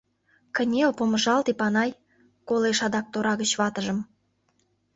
— Кынел, помыжалт, Эпанай! — колеш адак тора гыч ватыжым.